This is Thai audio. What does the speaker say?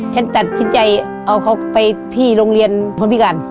ฉันตัดสินใจเอาเขาไปที่โรงเรียนพลพิการ